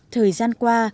thời gian qua